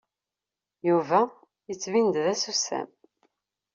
Yuba yettbin-d d asusam.